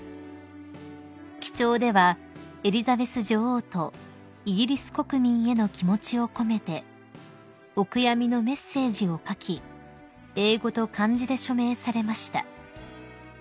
［記帳ではエリザベス女王とイギリス国民への気持ちを込めてお悔やみのメッセージを書き英語と漢字で署名されました］